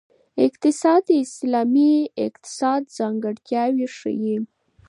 اقتصاد د اسلامي اقتصاد ځانګړتیاوې ښيي.